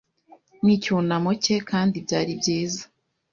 N'icyunamo cye kandi byari byiza